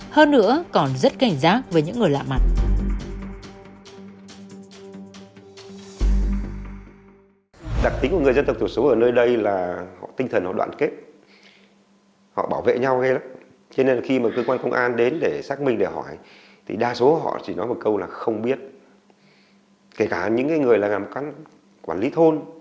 hơn nữa còn rất cảnh giác về những người lạ mặt